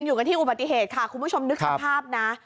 อยู่กันที่อุบัติเหตุค่ะคุณผู้ชมนึกสภาพนะ